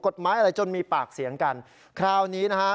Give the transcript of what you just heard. กฎหมายอะไรจนมีปากเสียงกันคราวนี้นะฮะ